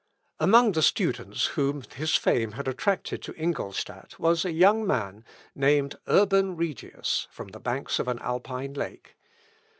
Among the students whom his fame had attracted to Ingolstadt was a young man, named Urban Regius, from the banks of an Alpine lake.